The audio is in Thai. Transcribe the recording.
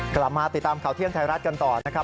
กลับมาติดตามข่าวเที่ยงไทยรัฐกันต่อนะครับ